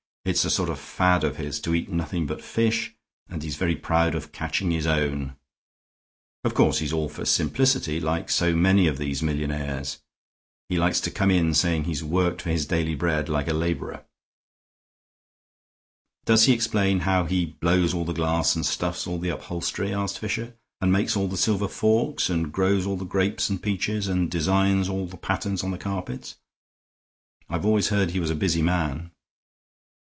"It's a sort of fad of his to eat nothing but fish, and he's very proud of catching his own. Of course he's all for simplicity, like so many of these millionaires. He likes to come in saying he's worked for his daily bread like a laborer." "Does he explain how he blows all the glass and stuffs all the upholstery," asked Fisher, "and makes all the silver forks, and grows all the grapes and peaches, and designs all the patterns on the carpets? I've always heard he was a busy man."